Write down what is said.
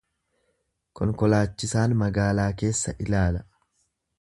Konkolaachisaan magaalaa keessa ilaala.